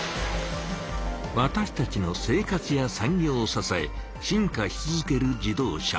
わたしたちの生活や産業をささえ進化し続ける自動車。